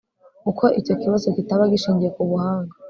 kuko icyo kibazo kitaba gishingiye ku buhanga